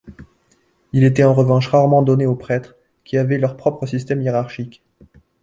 Il était en revanche rarement donné aux prêtres, qui avaient leur propre système hiérarchique.